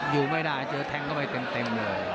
อยู่ไม่ได้เจอแทงเข้าไปเต็มเลย